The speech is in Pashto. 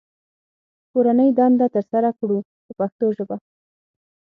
کورنۍ دنده ترسره کړو په پښتو ژبه.